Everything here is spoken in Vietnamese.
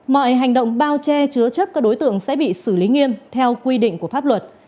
mọi hành động bao che chứa chấp các đối tượng sẽ bị xử lý nghiêm theo quy định của pháp luật